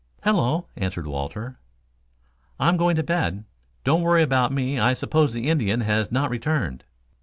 "Hello!" answered Walter. "I'm going to bed. Don't worry about me. I suppose the Indian has not returned?"